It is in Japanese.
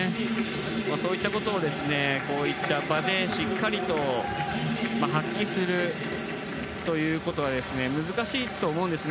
そういったことをこういった場でしっかりと発揮するということが難しいと思うんですね。